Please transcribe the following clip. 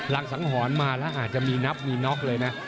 สังหรณ์มาแล้วอาจจะมีนับมีน็อกเลยนะ